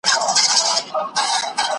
یا ښکاري یا د زمري خولې ته سوغات سم .